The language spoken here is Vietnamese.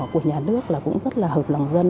của nhà nước là cũng rất là hợp lòng dân